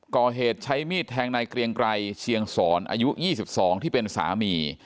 ก่อเหตุใช้มีดแทงนายเกรียงไกรเชียงสอนอายุ๒๒ที่เป็นสามี